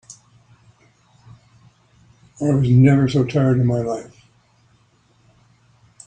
I was never so tired in my life.